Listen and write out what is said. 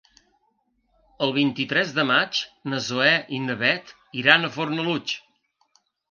El vint-i-tres de maig na Zoè i na Bet iran a Fornalutx.